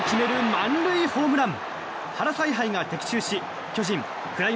満塁ホームラン！